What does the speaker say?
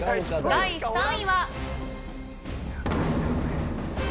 第３位は。